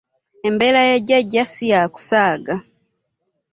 Embeera ya jjajja si yakusaaga.